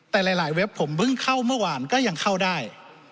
แต่หลายเว็บผมเพิ่งเข้าเมื่อวานก็ยังเข้าได้